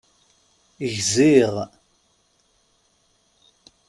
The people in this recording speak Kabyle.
Gziɣ.